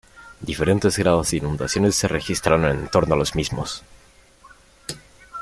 Diferentes grados de inundaciones se registraron en torno a los mismos.